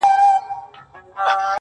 دا سیکي چلېږي دا ویناوي معتبري دي,